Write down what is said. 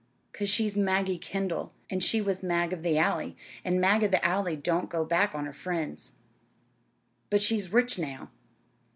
"'Cause she's Maggie Kendall, an' she was Mag of the Alley: an' Mag of the Alley don't go back on her friends." "But she's rich now."